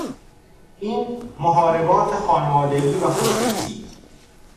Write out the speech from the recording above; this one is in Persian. این محاربات خانوادگی و خصوصی